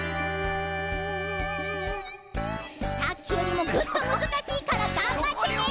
さっきよりもぐっとむずかしいからがんばってね。